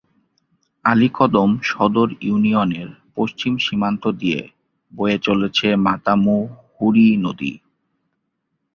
আলীকদম সদর ইউনিয়নের পশ্চিম সীমান্ত দিয়ে বয়ে চলেছে মাতামুহুরী নদী।